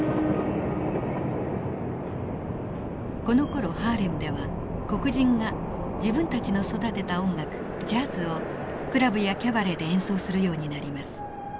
このころハーレムでは黒人が自分たちの育てた音楽ジャズをクラブやキャバレーで演奏するようになります。